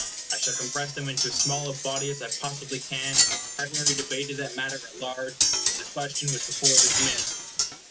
I shall compress them into as small a body as I possibly can, having already debated that matter at large when the question was before the Committee.